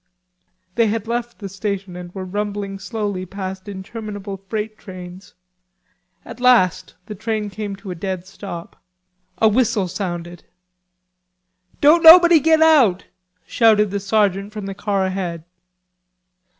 They had left the station and were rumbling slowly past interminable freight trains. At last the train came to a dead stop. A whistle sounded. "Don't nobody get out," shouted the sergeant from the car ahead.